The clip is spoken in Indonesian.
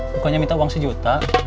bukannya minta uang sejuta